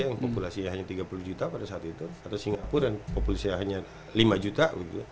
dan populisnya hanya lima juta